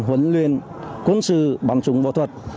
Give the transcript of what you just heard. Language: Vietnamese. huấn luyện quân sự bắn súng võ thuật